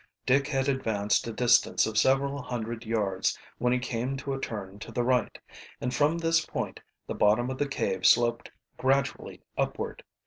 Dick had advanced a distance of several hundred yards when he came to a turn to the right, and from this point the bottom of the cave sloped gradually upward.